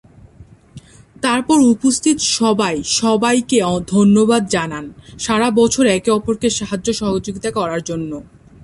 তারপর উপস্থিত সবাই সবাইকে ধন্যবাদ জানান সারা বছর একে অপরকে সাহায্য-সহযোগিতা করার জন্য।